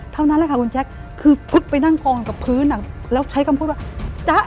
เท่านั้นแหละค่ะคุณแจ๊คคือซุดไปนั่งกองกับพื้นอ่ะแล้วใช้คำพูดว่าจ๊ะ